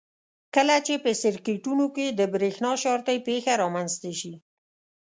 کله چې په سرکټونو کې د برېښنا شارټۍ پېښه رامنځته شي.